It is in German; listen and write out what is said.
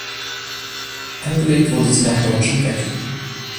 Angelegt wurde sie nach deutschem Recht.